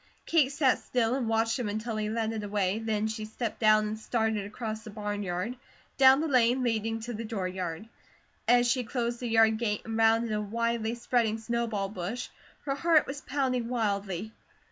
Kate sat still and watched him until he led it away, then she stepped down and started across the barnyard, down the lane leading to the dooryard. As she closed the yard gate and rounded a widely spreading snowball bush, her heart was pounding wildly.